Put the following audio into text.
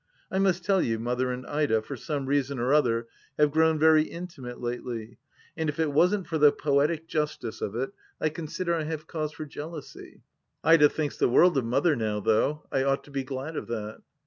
I must tell you. Mother and Ida, for some reason or other, have grown very intimate lately ; and if it wasn't for the poetic justice of 167 158 THE LAST DITCH it, I consider I have cause for jealousy. Ida thinks the world of Mother now, though ; I ought to be glad of that.